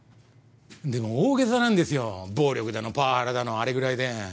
でも大げさなんですよ暴力だのパワハラだのあれぐらいで。